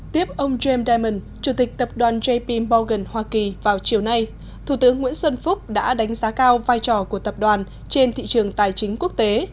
tiếp ông james diamond chủ tịch tập đoàn jp bogan hoa kỳ vào chiều nay thủ tướng nguyễn xuân phúc đã đánh giá cao vai trò của tập đoàn trên thị trường tài chính quốc tế